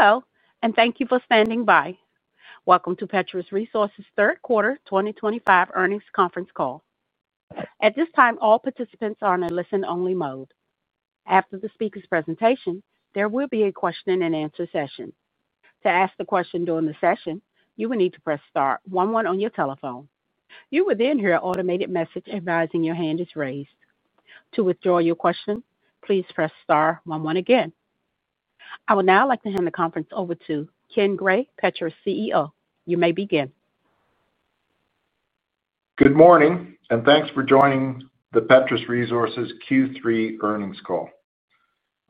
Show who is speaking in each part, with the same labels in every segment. Speaker 1: Hello, and thank you for standing by. Welcome to Petrus Resources' third quarter 2025 earnings conference call. At this time, all participants are on a listen-only mode. After the speaker's presentation, there will be a question-and-answer session. To ask a question during the session, you will need to press star one one on your telephone. You will then hear an automated message advising your hand is raised. To withdraw your question, please press star one one again. I would now like to hand the conference over to Ken Gray, Petrus CEO. You may begin.
Speaker 2: Good morning, and thanks for joining the Petrus Resources Q3 earnings call.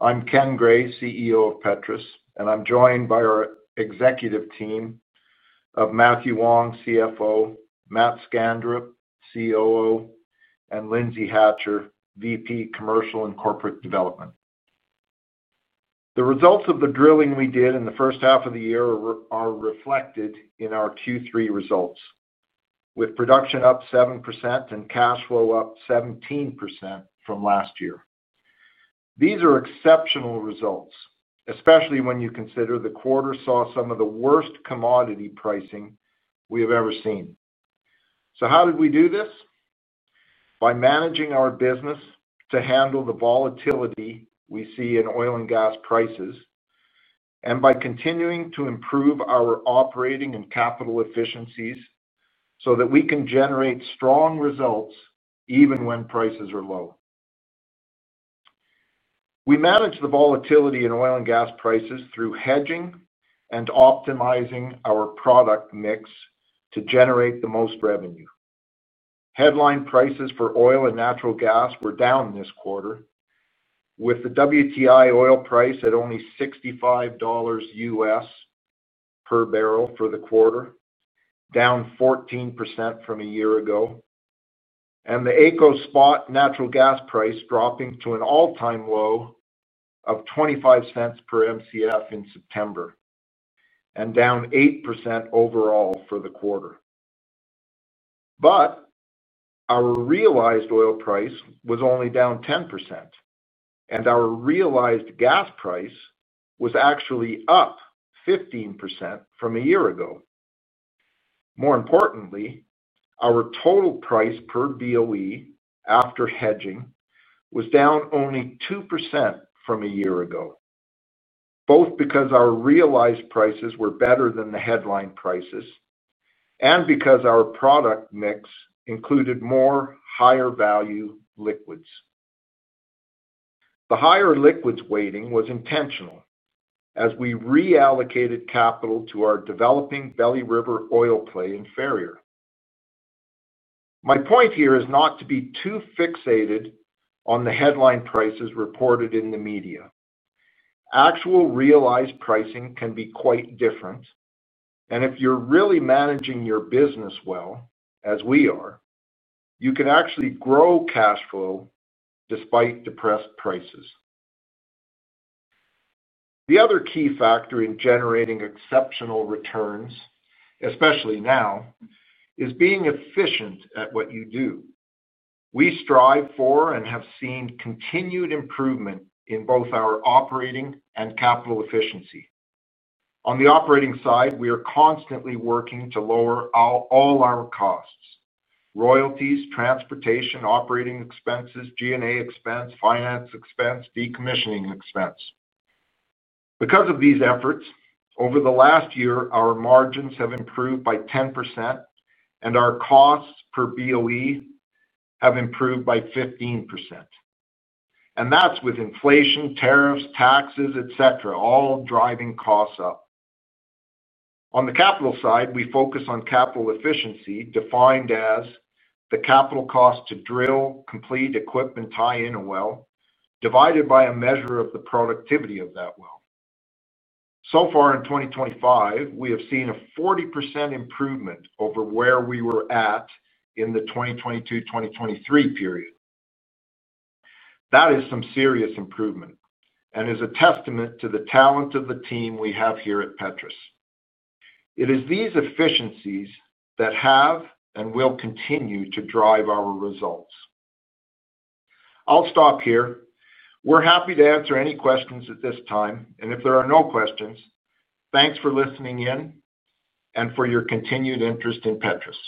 Speaker 2: I'm Ken Gray, CEO of Petrus, and I'm joined by our executive team of Mathew Wong, CFO; Matt Skanderup, COO; and Lindsay Hatcher, VP, Commercial and Corporate Development. The results of the drilling we did in the first half of the year are reflected in our Q3 results, with production up 7% and cash flow up 17% from last year. These are exceptional results, especially when you consider the quarter saw some of the worst commodity pricing we have ever seen. How did we do this? By managing our business to handle the volatility we see in oil and gas prices, and by continuing to improve our operating and capital efficiencies so that we can generate strong results even when prices are low. We managed the volatility in oil and gas prices through hedging and optimizing our product mix to generate the most revenue. Headline prices for oil and natural gas were down this quarter, with the WTI Oil Price at only $65 per barrel for the quarter, down 14% from a year ago, and the AECO Spot natural gas price dropping to an all-time low of $0.25 per MCF in September, and down 8% overall for the quarter. Our realized oil price was only down 10%, and our realized gas price was actually up 15% from a year ago. More importantly, our total price per boe after hedging was down only 2% from a year ago, both because our realized prices were better than the headline prices and because our product mix included more higher-value liquids. The higher liquids weighting was intentional as we reallocated capital to our developing Belly River Oil Play in Ferrier. My point here is not to be too fixated on the headline prices reported in the media. Actual realized pricing can be quite different, and if you're really managing your business well, as we are, you can actually grow cash flow despite depressed prices. The other key factor in generating exceptional returns, especially now, is being efficient at what you do. We strive for and have seen continued improvement in both our operating and capital efficiency. On the operating side, we are constantly working to lower all our costs: royalties, transportation, operating expenses, G&A expense, finance expense, decommissioning expense. Because of these efforts, over the last year, our margins have improved by 10%, and our costs per boe have improved by 15%. That is with inflation, tariffs, taxes, etc., all driving costs up. On the capital side, we focus on capital efficiency, defined as the capital cost to drill, complete, equip, and tie in a well, divided by a measure of the productivity of that well. So far in 2025, we have seen a 40% improvement over where we were at in the 2022-2023 period. That is some serious improvement and is a testament to the talent of the team we have here at Petrus. It is these efficiencies that have and will continue to drive our results. I'll stop here. We're happy to answer any questions at this time, and if there are no questions, thanks for listening in and for your continued interest in Petrus.